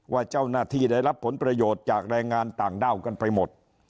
ว่าเจ้าหน้าที่ได้รับผลประโยชน์จากแรงงานต่างด้าวกันไปหมด